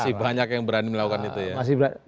masih banyak yang berani melakukan itu ya